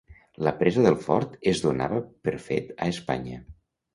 La presa del fort es donava per fet a Espanya.